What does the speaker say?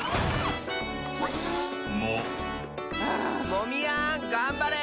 モミヤンがんばれ！